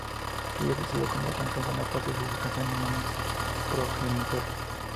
Olive recibió, por tanto, buena parte de su educación en manos de su progenitora.